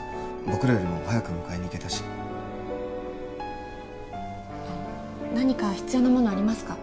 僕らよりも早く迎えに行けたし何か必要なものありますか？